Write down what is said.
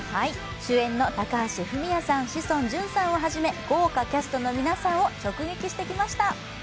主演の高橋文哉さん、志尊淳さんをはじめ豪華キャストの皆さんを直撃してきました。